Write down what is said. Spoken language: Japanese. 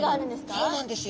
そうなんですよ。